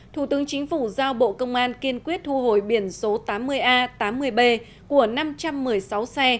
thủ tướng chính phủ giao bộ công an kiên quyết thu hồi biển số tám mươi a tám mươi b của năm trăm một mươi sáu xe